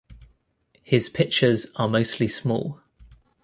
His pictures are mostly small.